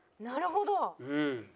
なるほど。